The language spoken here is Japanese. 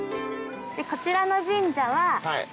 こちらの神社は。